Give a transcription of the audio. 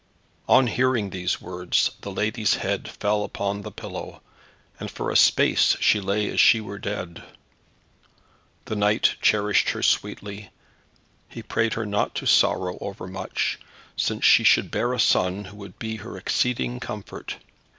On hearing these words the lady's head fell upon the pillow, and for a space she lay as she were dead. The knight cherished her sweetly. He prayed her not to sorrow overmuch, since she should bear a son who would be her exceeding comfort.